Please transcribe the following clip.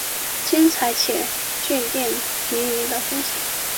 精彩且钜细靡遗的分享